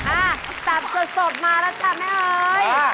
อ่ะจับสดมาแล้วจ้ะแม่เอ๋ย